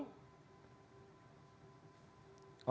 oke tampaknya masih ada hal hal lain